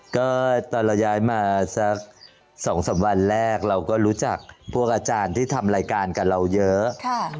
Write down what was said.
ก็ตอนเราย้ายมาสัก๒๓วันแรกเราก็รู้จักพวกอาจารย์ที่ทำรายการกับเราเยอะ